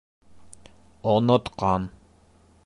Онотҡан.